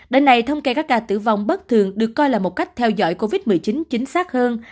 đến nay thông kê các ca tử vong bất thường được coi là một cách theo dõi covid một mươi chín chính xác hơn